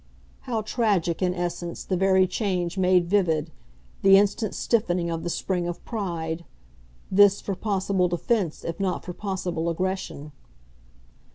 How tragic, in essence, the very change made vivid, the instant stiffening of the spring of pride this for possible defence if not for possible aggression.